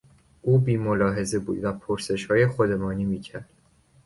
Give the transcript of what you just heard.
او بیملاحظه بود و پرسشهای خودمانی میکرد.